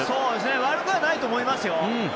悪くはないと思いますよ。